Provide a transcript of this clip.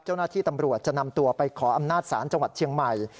เจ้าหน้าที่ตำรวจจะนำตัวไปขออำนาจศาลจังหวัดเชียงใหม่